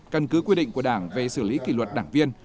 căn cứ quy định của đảng về xử lý kỷ luật đảng viên